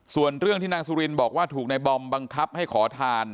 ส่วนเรื่องที่นางสุรินบอกว่าถูกในบอมบังคับให้ขอทาน